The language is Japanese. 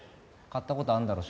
買った事あんだろ？